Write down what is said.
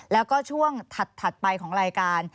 แล้วก็ช่วงถัดไปของรายการ